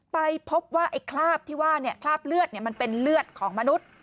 ไปพบว่าไอ้คราบที่ว่าคราบเลือดมันเป็นเลือดของมนุษย์